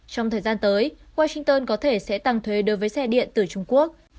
trong thời gian tới washington có thể sẽ tăng thuế đối với xe điện từ trung quốc